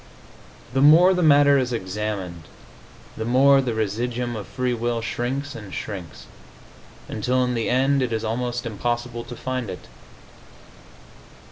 The more the matter is examined the more the residuum of free will shrinks and shrinks, until in the end it is almost impossible to find it.